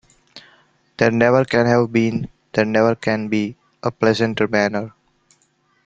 There never can have been, there never can be, a pleasanter manner.